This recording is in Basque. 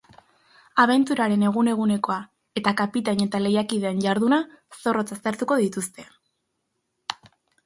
Abenturaren egun-egunekoa eta kapitain eta lehiakideen jarduna zorrotz aztertuko dituzte.